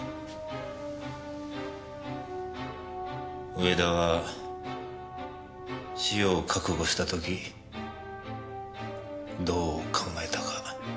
上田は死を覚悟した時どう考えたか。